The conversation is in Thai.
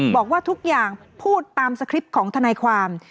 บอกว่าทุกอย่างพูดตามสคริปต์ของทนายความ